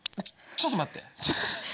ちょっと待って。